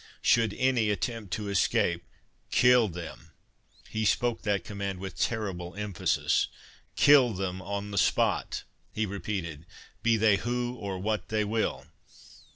Should any attempt to escape, KILL them."—He spoke that command with terrible emphasis.—"Kill them on the spot," he repeated, "be they who or what they will.